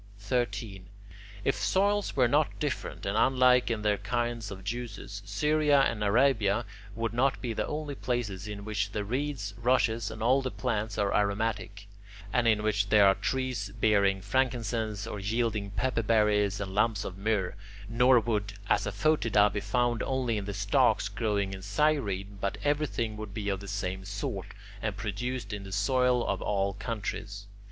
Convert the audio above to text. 13. If soils were not different and unlike in their kinds of juices, Syria and Arabia would not be the only places in which the reeds, rushes, and all the plants are aromatic, and in which there are trees bearing frankincense or yielding pepper berries and lumps of myrrh, nor would assafoetida be found only in the stalks growing in Cyrene, but everything would be of the same sort, and produced in the soil of all countries.